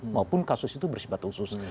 maupun kasus itu bersifat khusus